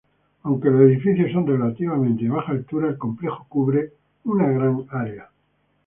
Aunque los edificios son relativamente de baja altura, el complejo cubre una gran área.